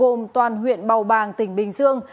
gồm toàn huyện bào bàng tỉnh bình dương